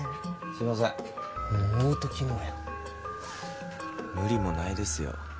すいませんもうオート機能やん無理もないですよ